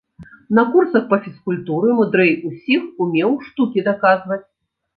На курсах па фізкультуры мудрэй усіх умеў штукі даказваць.